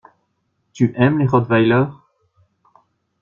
Tu aimes les rottweiler?